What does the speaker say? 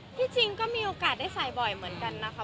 ที่จริงก็มีโอกาสได้ใส่บ่อยเหมือนกันนะคะ